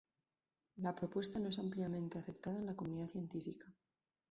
La propuesta no es ampliamente aceptado en la comunidad científica.